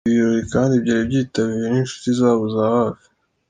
Ibi birori kandi byari byitabiriwe n’ inshuti zabo za hafi .